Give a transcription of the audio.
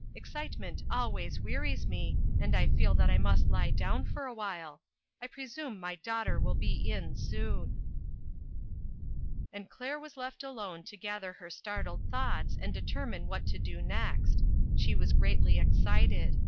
Excitement always wearies me, and I feel that I must lie down for awhile. I presume my daughter will be in soon." And Claire was left alone to gather her startled thoughts and determine what to do next. She was greatly excited.